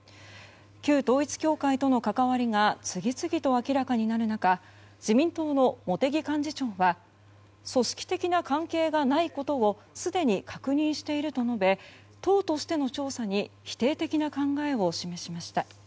旧統一教会との関わりが次々と明らかになる中自民党の茂木幹事長は組織的な関係がないことをすでに確認していると述べ党としての調査に否定的な考えを示しました。